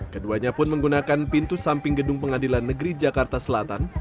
keduanya pun menggunakan pintu samping gedung pengadilan negeri jakarta selatan